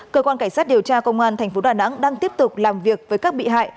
cơ quan cảnh sát điều tra công an tp đà nẵng đang tiếp tục làm việc với các bị hại